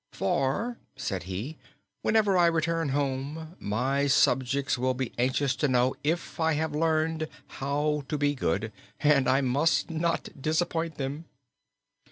"For," said he, "whenever I return home, my subjects will be anxious to know if I have learned 'How to be Good,' and I must not disappoint them."